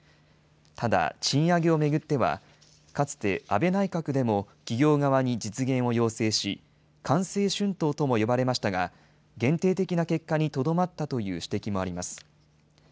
ただ、賃上げを巡っては、かつて安倍内閣でも企業側に実現を要請し、官製春闘とも呼ばれましたが、限定的な結果にとどまったという指摘もあります。